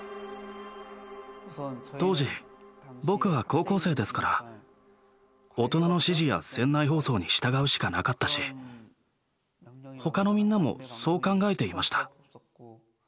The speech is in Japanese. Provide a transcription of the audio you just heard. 当時僕は高校生ですから大人の指示や船内放送に従うしかなかったし他のみんなもそう考えていました。